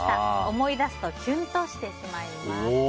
思い出すとキュンとしてしまいます。